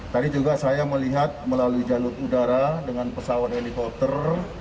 tadi juga saya melihat melalui jalur udara dengan pesawat helikopter